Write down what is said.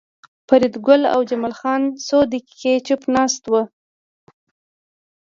فریدګل او جمال خان څو دقیقې چوپ ناست وو